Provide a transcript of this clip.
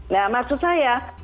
nah maksud saya